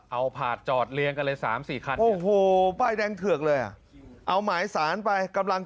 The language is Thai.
เอาผ่าจอดเลี้ยงกันเลย๓๔คัน